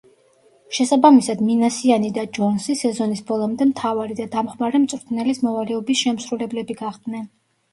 შესაბამისად, მინასიანი და ჯონსი სეზონის ბოლომდე მთავარი და დამხმარე მწვრთნელის მოვალეობის შემსრულებლები გახდნენ.